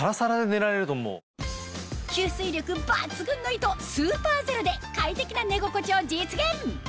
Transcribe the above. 吸水力抜群の糸スーパーゼロで快適な寝心地を実現